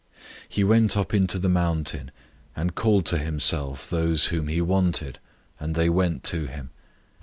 003:013 He went up into the mountain, and called to himself those whom he wanted, and they went to him.